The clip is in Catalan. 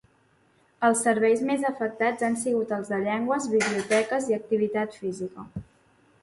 Els serveis més afectats han sigut els de llengües, biblioteques i activitat física.